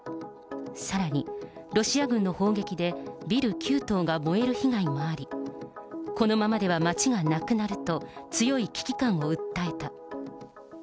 さらに、ロシア軍の砲撃でビル９棟が燃える被害もあり、このままでは町がなくなると、強い危機感を訴えた。